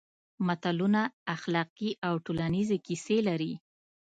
متلونه اخلاقي او ټولنیزې کیسې لري